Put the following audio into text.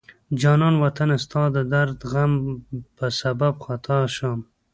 جانان وطنه ستا د درد غم په سبب خطا شم